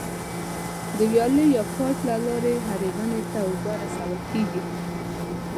د ویالې یا پایپ له لارې هرې ونې ته اوبه رسول کېږي.